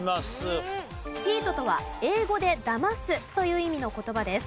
チートとは英語で「だます」という意味の言葉です。